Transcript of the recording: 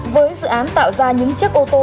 với dự án tạo ra những chiếc ô tô